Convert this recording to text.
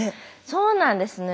そうなんですね。